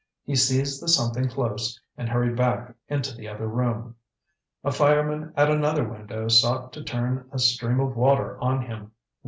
He seized the something close, and hurried back into the other room. A fireman at another window sought to turn a stream of water on him.